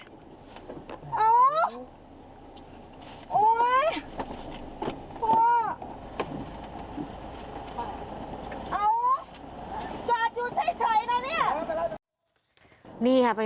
เอาจอดอยู่เฉยนะเนี่ย